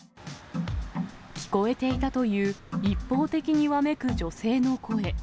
聞こえていたという一方的にわめく女性の声。